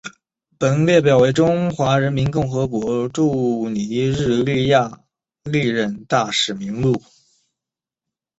本列表为中华人民共和国驻尼日利亚历任大使名录。